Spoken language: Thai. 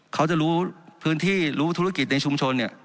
เขาจะรู้พื้นที่รู้ธุรกิจในชุมชนเนี่ย